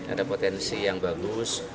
ada potensi yang bagus